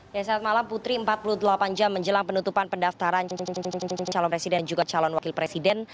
ya saat malam putri empat puluh delapan jam menjelang penutupan pendaftaran calon presiden juga calon wakil presiden